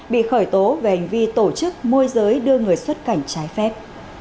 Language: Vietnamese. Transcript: bị khởi tố về hành vi tổ chức môi giới đưa người xuất cảnh trái phép